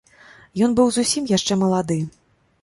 Ён быў зусім яшчэ малады.